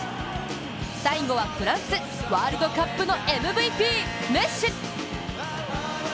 最後はフランス、ワールドカップのＭＶＰ・メッシ。